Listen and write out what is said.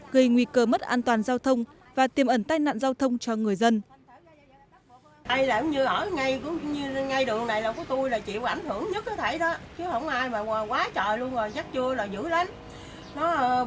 gây nguy cơ mất an toàn giao thông và tiềm ẩn tai nạn giao thông cho người dân